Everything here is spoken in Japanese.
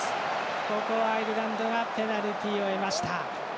ここはアイルランドがペナルティを得ました。